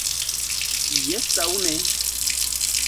Jes aŭ ne!